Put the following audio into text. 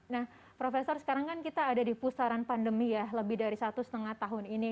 nah profesor sekarang kan kita ada di pusaran pandemi ya lebih dari satu setengah tahun ini